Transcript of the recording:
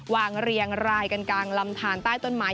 เรียงรายกันกลางลำทานใต้ต้นไม้